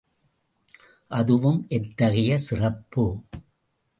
அதுவும் எத்தகைய சிறப்பு?